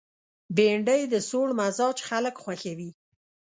بېنډۍ د سوړ مزاج خلک خوښوي